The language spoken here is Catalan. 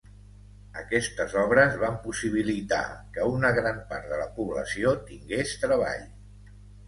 Aquestes obres van possibilitar que una gran part de la població tingués treball.